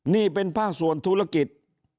นี่เป็นภาคส่วนธุรกิจ